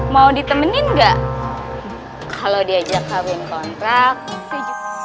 waduh kelari lagi